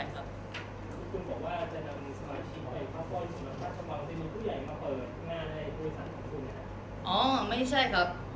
คุณบอกว่าจะนำสมาชิกไปเข้าเฝ้าอยู่หรือเปล่าจะมีผู้ใหญ่มาเปิดงานในโดยภาพของคุณไงครับ